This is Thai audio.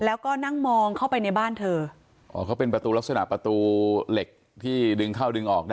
แล้วก็นั่งมองเข้าไปในบ้านเธออ๋อเขาเป็นประตูลักษณะประตูเหล็กที่ดึงเข้าดึงออกนะ